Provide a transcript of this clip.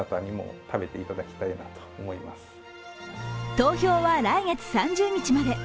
投票は来月３０日まで。